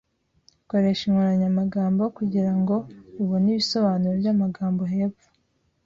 Koresha inkoranyamagambo kugirango ubone ibisobanuro byamagambo hepfo.